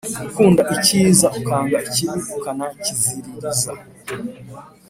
gukunda ikiza ukanga ikibi ukanakiziririza.